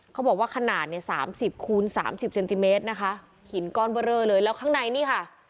เขาบอกว่าขนาดเนี่ยสามสิบคูณสามสิบเซนติเมตรนะคะหินก้อนเบอร์เรอเลยแล้วข้างในนี่ค่ะ